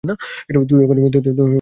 তুই উনাকে দেখিসনি?